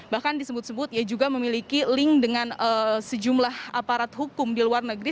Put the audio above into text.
bahkan disebut sebut ia juga memiliki link dengan sejumlah aparat hukum di luar negeri